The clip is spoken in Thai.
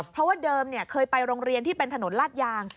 เพราะว่าเดิมเคยไปโรงเรียนที่เป็นถนนลาดยาง